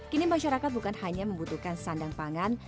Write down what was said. kini masyarakat bukan hanya membutuhkan sandang pangan